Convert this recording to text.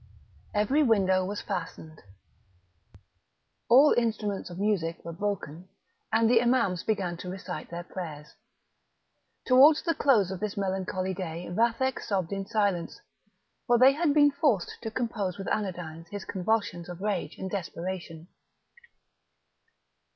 Every window was fastened, all instruments of music were broken, and the Imams began to recite their prayers; towards the close of this melancholy day Vathek sobbed in silence, for they had been forced to compose with anodynes his convulsions of rage and desperation.